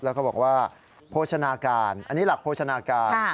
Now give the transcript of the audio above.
แล้วก็บอกว่าโภชนาการอันนี้หลักโภชนาการ